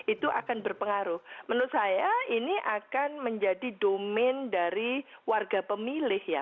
itu akan berpengaruh menurut saya ini akan menjadi domain dari warga pemilih ya